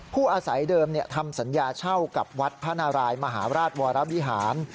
ผู้อาศัยเดิมทำสัญญาเช่ากับวัดพระนารายมหาราชวรวิหาร